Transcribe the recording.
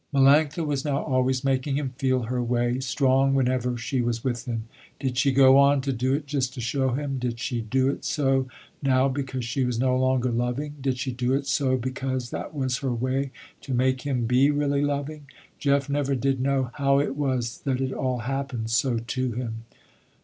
Melanctha was now always making him feel her way, strong whenever she was with him. Did she go on to do it just to show him, did she do it so now because she was no longer loving, did she do it so because that was her way to make him be really loving. Jeff never did know how it was that it all happened so to him.